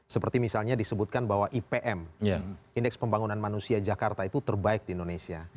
seperti misalnya disebutkan bahwa ipm indeks pembangunan manusia jakarta itu terbaik di indonesia